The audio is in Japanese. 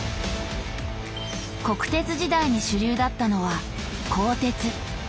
国鉄時代に主流だったのは鋼鉄。